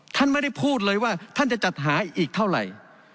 ท่านไม่ได้พูดเลยว่าท่านจะจัดหาอีกเท่าไหร่